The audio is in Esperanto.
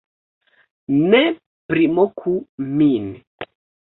Ne primoku min